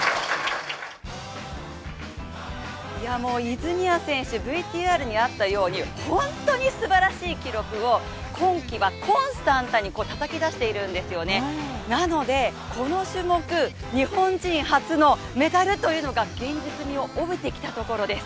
泉谷選手、ＶＴＲにあったように本当にすばらしい記録を今季はコンスタントにたたき出しているんですよねなので、この種目、日本人初のメダルというのが現実味を帯びてきたところです。